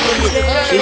aku sudah menemukan air